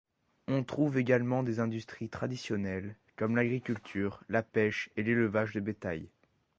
On trouve également des industries traditionnelles comme l’agriculture, la pêche et l’élevage de bétail.